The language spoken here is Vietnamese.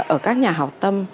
ở các nhà học tâm